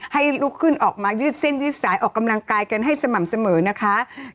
ลุกขึ้นออกมายืดเส้นยืดสายออกกำลังกายกันให้สม่ำเสมอนะคะ